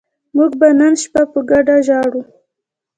موږ به نن شپه په ګډه ژاړو